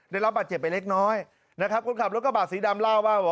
ได้รับบาดเจ็บไปเล็กน้อยนะครับคนขับรถกระบะสีดำเล่าว่า